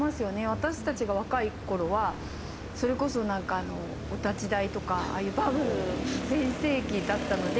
私たちが若い頃はそれこそ何かお立ち台とかああいうバブル全盛期だったので。